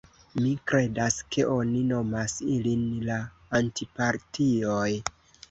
Mi kredas ke oni nomas ilin la Antipatioj."